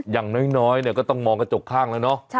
อย่างน้อยก็ต้องมองกระจกข้างแล้วเนาะ